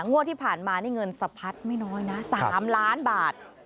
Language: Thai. งวดที่ผ่านมานี่เงินสะพัดไม่น้อยนะ๓ล้านบาท